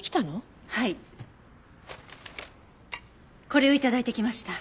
これを頂いてきました。